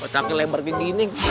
tapi lembar gini